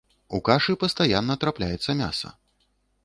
У кашы пастаянна трапляецца мяса.